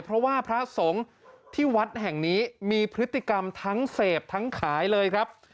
เพราะว่าพระสงฆ์ที่วัดแห่งนี้มีพฤติกรรมทั้งเสพทั้งขายเลยครับ